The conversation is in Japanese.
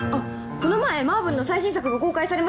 この前マーブルの最新作が公開されましたよね！